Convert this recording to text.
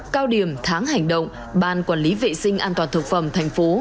cao điểm tháng hành động ban quản lý vệ sinh an toàn thực phẩm thành phố